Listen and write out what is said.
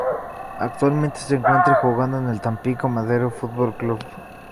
Actualmente se encuentra jugando en el Tampico Madero Fútbol Club.